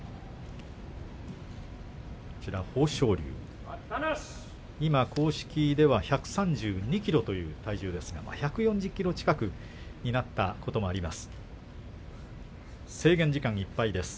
豊昇龍は公式では１３２ｋｇという体重ですが１４０ｋｇ近くになったこともあります。